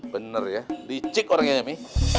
bener ya licik orangnya mi